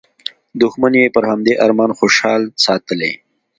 دوښمن یې پر همدې ارمان خوشحال ساتلی.